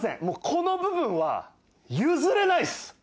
この部分は譲れないっす！